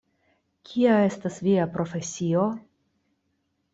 Kia estas via profesio?